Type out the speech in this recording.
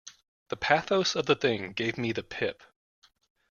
The pathos of the thing gave me the pip.